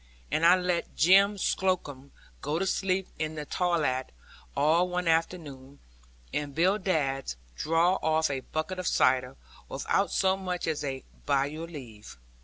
And I let Jem Slocombe go to sleep in the tallat, all one afternoon, and Bill Dadds draw off a bucket of cider, without so much as a 'by your leave.'